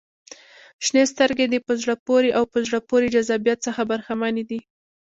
• شنې سترګې د په زړه پورې او په زړه پورې جذابیت څخه برخمنې دي.